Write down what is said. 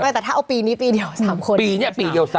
แต่ถ้าเอาปีนี้ปีเดียว๓คนปีนี้ปีเดียว๓